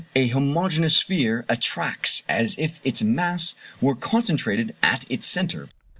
A homogeneous sphere attracts as if its mass were concentrated at its centre.